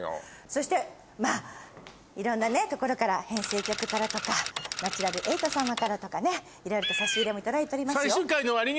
そしてまぁいろんな所から編成局からとかナチュラルエイトさまからとかねいろいろと差し入れも頂いておりますよ。